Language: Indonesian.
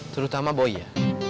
terutama boy ya